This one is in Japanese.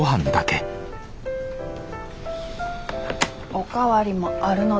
お代わりもあるので。